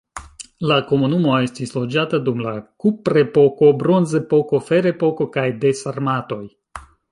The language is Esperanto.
La komunumo estis loĝata dum la kuprepoko, bronzepoko, ferepoko kaj de sarmatoj.